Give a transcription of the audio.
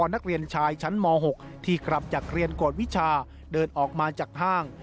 นักเรียนชายชั้นม๖ที่กลับจากเรียนกวดวิชาเดินออกมาจากห้าง